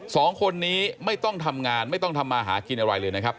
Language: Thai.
สองคนนี้ไม่ต้องทำงานไม่ต้องทำมาหากินอะไรเลยนะครับ